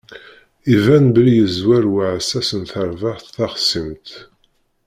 Iban belli yeẓwer uɛessas n terbaɛt taxṣimt.